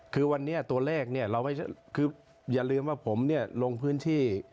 คือวันนี้ตัวแรกอย่าลืมว่าผมลงพื้นที่